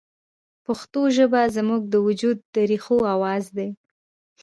پښتو ژبه زموږ د وجود د ریښو اواز دی